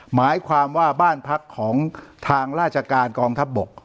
หมายความว่าบ้านพักของทางราชการกองทัพบก